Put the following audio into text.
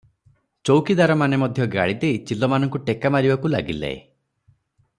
ଚୌକିଦାରମାନେ ମଧ୍ୟ ଗାଳିଦେଇ ଚିଲମାନଙ୍କୁ ଟେକାମାରିବାକୁ ଲାଗିଲେ ।